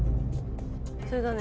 それだね。